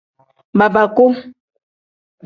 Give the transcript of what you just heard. Babaku.